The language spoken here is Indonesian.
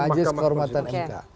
majelis kehormatan mk